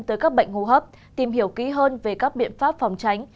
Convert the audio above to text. tới các bệnh hô hấp tìm hiểu kỹ hơn về các biện pháp phòng tránh